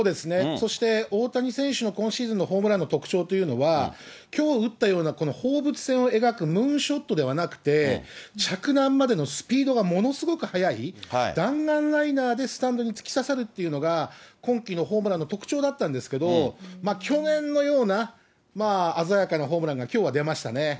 そして大谷選手の今シーズンのホームランの特徴というのは、きょう打ったようなこの放物線を描くムーンショットではなくて、着弾までのスピードがものすごい速い弾丸ライナーでスタンドに突き刺さるっていうのが今季のホームランの特徴だったんですけど、去年のような鮮やかなホームランがきょうは出ましたね。